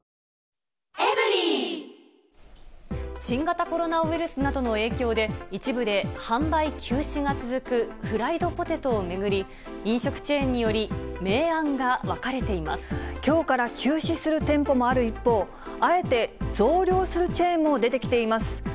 新型コロナウイルスなどの影響で、一部で販売休止が続くフライドポテトを巡り、飲食チェーンにより、きょうから休止する店舗もある一方、あえて増量するチェーンも出てきています。